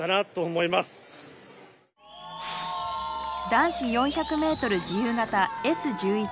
男子４００ｍ自由形Ｓ１１